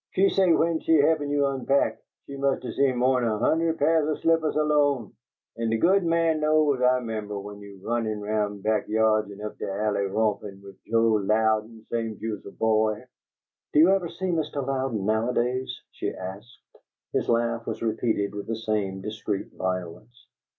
She say when she helpin' you onpack she must 'a' see mo'n a hunerd paihs o' slippahs alone! An' de good Man knows I 'membuh w'en you runnin' roun' back yods an' up de alley rompin' 'ith Joe Louden, same you's a boy!" "Do you ever see Mr. Louden, nowadays?" she asked. His laugh was repeated with the same discreet violence.